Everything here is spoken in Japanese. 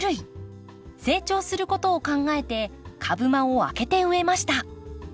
成長することを考えて株間を空けて植えました。